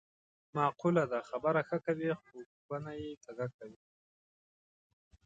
معقوله ده: خبره ښه کوې خو کونه یې کږه کوې.